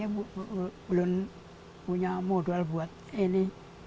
belum punya modal buat ini